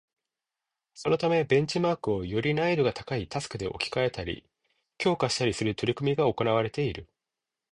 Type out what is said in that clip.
そのためベンチマークをより難易度が高いタスクで置き換えたり、強化したりする取り組みが行われている